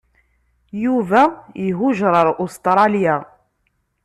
Yuba ihujeṛ ar Ustṛalya.